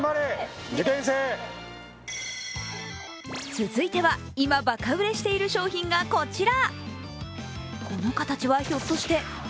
続いては、今、バカ売れしている商品がこちら。